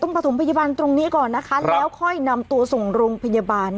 ประถมพยาบาลตรงนี้ก่อนนะคะแล้วค่อยนำตัวส่งโรงพยาบาล